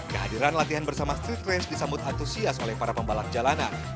kehadiran latihan bersama street race disambut antusias oleh para pembalap jalanan